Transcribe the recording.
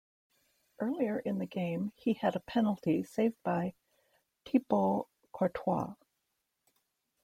Earlier in the game, he had a penalty saved by Thibaut Courtois.